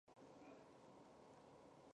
空气中液态或固态的水不算在湿度中。